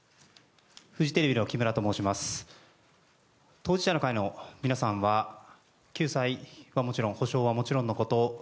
当事者の会の皆さんは救済はもちろん補償はもちろんのこと